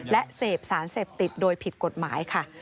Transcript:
และเสพสารเสพติดโดยผิดกฎหมายค่ะ